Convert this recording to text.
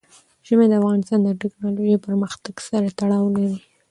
ژمی د افغانستان د تکنالوژۍ پرمختګ سره تړاو لري.